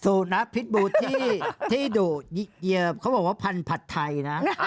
ศูนัครพิฒบูร์ที่ที่ดุเยี่ยมเขาบอกว่าภัณฑ์ผัดไทล์นะ